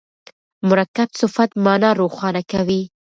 مرکب صفت مانا روښانه کوي.